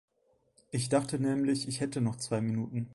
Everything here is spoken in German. Ich dachte nämlich, ich hätte noch zwei Minuten.